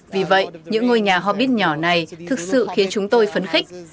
vì vậy những ngôi nhà hobbit nhỏ này thực sự khiến chúng tôi phấn khích